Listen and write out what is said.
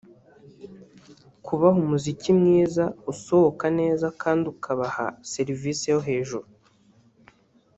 kubaha umuziki mwiza usohoka neza kandi ukabaha serivisi yo hejuru